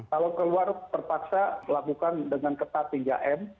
kalau keluar terpaksa lakukan dengan ketat tiga m